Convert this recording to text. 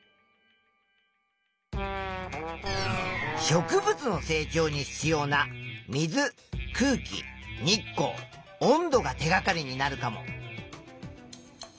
植物の成長に必要な水空気日光温度が手がかりになるかも。